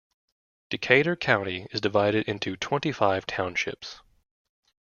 Decatur County is divided into twenty-five townships.